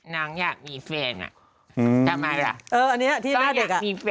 นางอยากมีแฟนอ่ะทำไมล่ะ